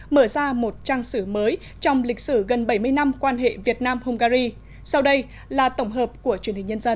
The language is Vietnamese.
mở ra một trang sử mới trong lịch sử gần bảy mươi năm quan hệ việt nam hungary sau đây là tổng hợp của truyền hình nhân dân